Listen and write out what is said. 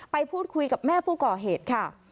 ไปพูดคุยกับแม่ผู้ก่อเหตุค่ะ